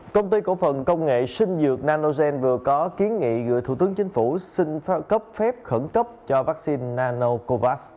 công ty cổ phần công nghệ sinh dược nanogen vừa có kiến nghị gửi thủ tướng chính phủ xin cấp phép khẩn cấp cho vaccine nanocovax